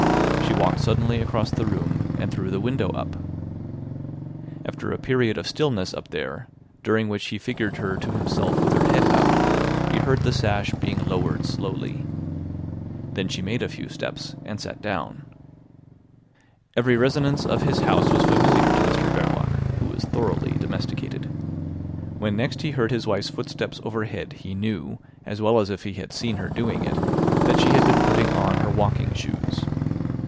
She walked suddenly across the room, and threw the window up. After a period of stillness up there, during which he figured her to himself with her head out, he heard the sash being lowered slowly. Then she made a few steps, and sat down. Every resonance of his house was familiar to Mr Verloc, who was thoroughly domesticated. When next he heard his wife's footsteps overhead he knew, as well as if he had seen her doing it, that she had been putting on her walking shoes.